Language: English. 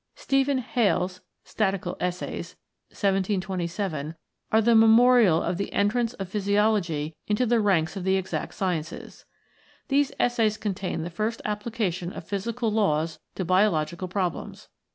Stephen Hales' Statical Essays (1727) are the memorial of the entrance of Physiology into the ranks of the Exact Sciences. These Essays contain the first application of physical laws to biological problems.